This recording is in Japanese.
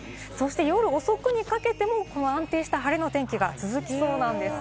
夜遅くにかけても安定した晴れの天気が続きそうなんです。